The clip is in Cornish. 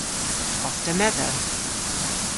Os ta medhow?